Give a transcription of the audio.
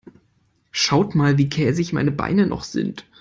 Schaut mal, wie käsig meine Beine noch sind.